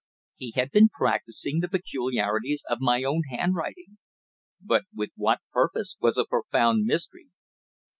He had been practising the peculiarities of my own handwriting. But with what purpose was a profound mystery.